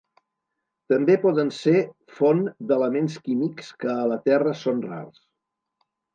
També poden ser font d'elements químics que a la Terra són rars.